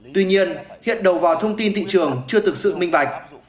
tuy nhiên hiện đầu vào thông tin thị trường chưa thực sự minh bạch